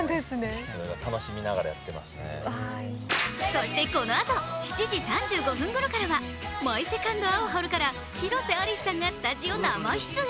そして、このあと７時３５分ごろからは「マイ・セカンド・アオハル」から広瀬アリスさんがスタジオ生出演。